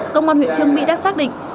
công an huyện trương mỹ đã xác định